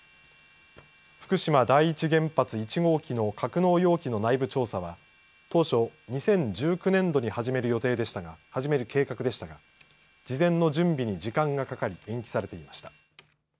福島第一原発１号機の格納容器の内部調査は当初２０１９年度に始める計画でしたが事前の準備に時間がかかり延期されていました。